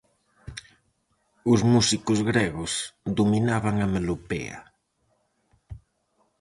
Os músicos gregos dominaban a melopea.